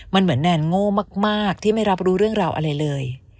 มันเหมือนแนนโง่มากที่ไม่รับรู้เรื่องราวอะไรเลย